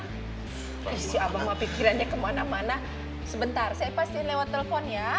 eh si abah mah pikirannya kemana mana sebentar saya pasti lewat telepon ya